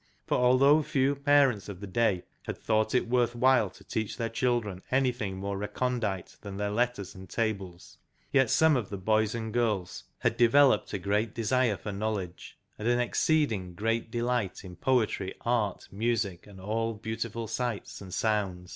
For although few parents of the day had thought it worth while to teach their children anything more recondite than their letters and tables, yet some of the boys and girls had devel oped a great desire for knowledge, and an exceeding great delight in Poetry, Art, Music, and all beautiful sights and sounds.